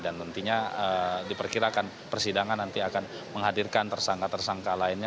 nantinya diperkirakan persidangan nanti akan menghadirkan tersangka tersangka lainnya